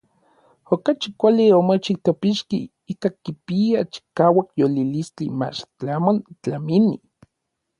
Okachi kuali omochij teopixki ikan kipia chikauak yolilistli mach tlamon tlamini.